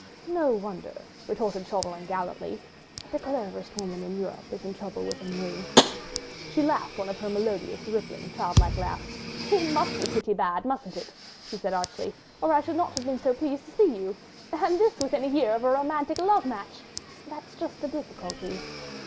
"No wonder," retorted Chauvelin, gallantly, "that the cleverest woman in Europe is troubled with ennui." She laughed one of her melodious, rippling, childlike laughs. "It must be pretty bad, mustn't it?" she said archly, "or I should not have been so pleased to see you." "And this within a year of a romantic love match! ..." "Yes! ... a year of a romantic love match ... that's just the difficulty